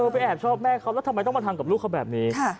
ไปแอบชอบแม่เขาแล้วทำไมต้องมาทำกับลูกเขาแบบนี้